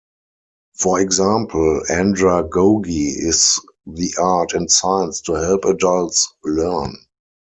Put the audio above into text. For example, andragogy is the art and science to help adults learn.